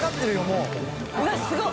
うわすごい。